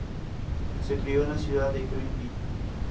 Se crio en la ciudad de Greenville.